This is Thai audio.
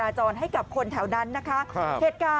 โรดเจ้าเจ้าเจ้าเจ้าเจ้าเจ้าเจ้าเจ้าเจ้า